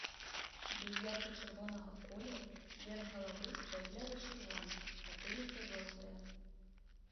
Быў ярка-чырвонага колеру, верх галавы жаўтлява-чырвоны, патыліца жоўтая.